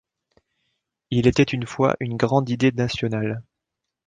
Il était une fois une grande idée nationale.